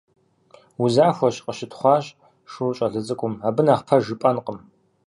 Узахуэщ,- къыщытхъуащ шур щӏалэ цӏыкӏум. - Абы нэхъ пэж жыпӏэнкъым.